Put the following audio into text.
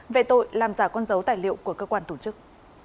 về tội làm giả con dấu tài liệu của cơ quan tổ chức